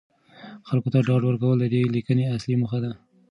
خلکو ته ډاډ ورکول د دې لیکنې اصلي موخه ده.